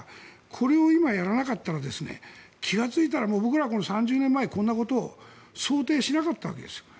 これを今やらなかったら気がついたら僕らはこの３０年前こんなことを想定しなかったわけですよ。